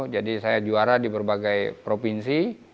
jadi saya juara di berbagai provinsi